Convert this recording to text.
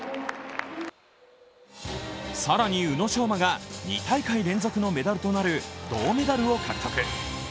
更に宇野昌磨が２大会連続のメダルとなる銅メダルを獲得。